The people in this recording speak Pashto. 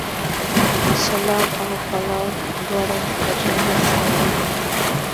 چلم او پلاو دواړه بشري لاسته راوړنې دي